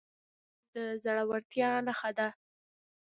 غیرت د زړورتیا نښه ده